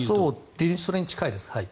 それに近いです。